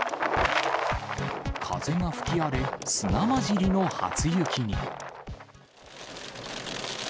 風が吹き荒れ、砂交じりの初雪に。